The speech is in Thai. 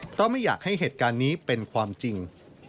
เพราะไม่อยากให้เหตุการณ์นี้เป็นความจริง